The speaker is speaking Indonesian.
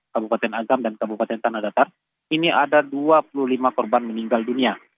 kabupaten agam dan kabupaten tanah datar ini ada dua puluh lima korban meninggal dunia